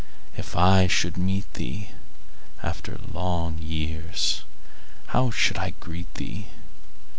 If I should meet theeAfter long years, How should I greet thee?